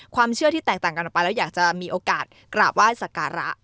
ความเชื่อที่แตกต่างกันออกไปแล้วอยากจะมีโอกาสกราบไหว้สักการะ